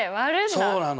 そうなの。